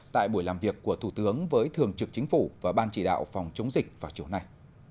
tại buổi làm việc của thủ tướng với thường trực chính phủ và ban chỉ đạo phòng chống dịch vào chiều nay